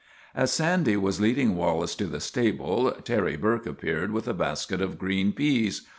As Sandy was leading Wallace to the stable, Terry Burke appeared with a basket of green peas.